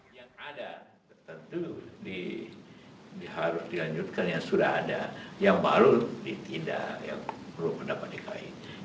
di harus dilanjutkan yang sudah ada yang baru ditindak yang belum pendapat dikait